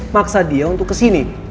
maksa dia untuk kesini